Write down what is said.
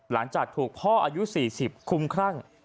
หลังจากถูกพ่ออายุ๔๐คุ้มครั่ง